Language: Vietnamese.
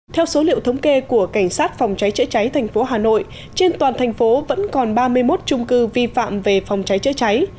theo số liệu thống kê của cảnh sát phòng cháy chữa cháy thành phố hà nội trên toàn thành phố vẫn còn ba mươi một trung cư vi phạm về phòng cháy chữa cháy